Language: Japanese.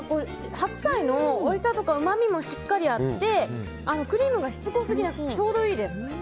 白菜のおいしさとかうまみもしっかりあってクリームがしつこすぎなくてちょうどいいです。